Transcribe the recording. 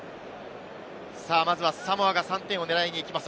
まずはサモアが３点を狙いに行きます。